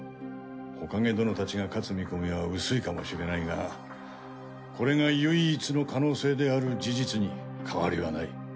火影殿たちが勝つ見込みは薄いかもしれないがこれが唯一の可能性である事実に変わりはない。